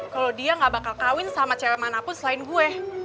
kalau dia gak bakal kawin sama cewek manapun selain gue